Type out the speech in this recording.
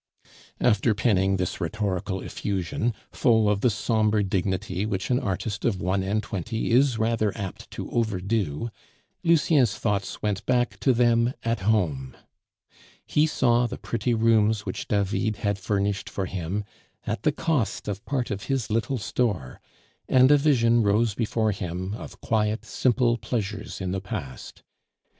After penning this rhetorical effusion, full of the sombre dignity which an artist of one and twenty is rather apt to overdo, Lucien's thoughts went back to them at home. He saw the pretty rooms which David had furnished for him, at the cost of part of his little store, and a vision rose before him of quiet, simple pleasures in the past.